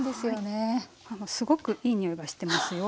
すごくいい匂いがしてますよ。